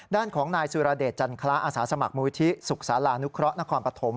ด้านของนายสุรเดชจันทระอาสาสมัครมูลที่สุขศาลานุเคราะหนครปฐม